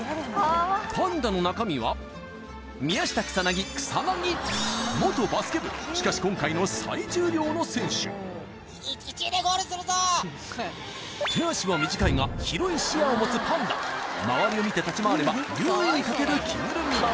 パンダの中身は元バスケ部しかし今回の最重量の選手手足は短いが広い視野を持つパンダ周りを見て立ち回れば優位に立てる着ぐるみ